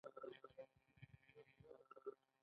درې څلویښتم سوال د پالیسۍ تعریف دی.